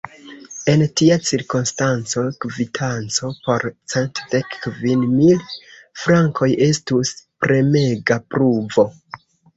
En tia cirkonstanco, kvitanco por cent dek kvin mil frankoj estus premega pruvo.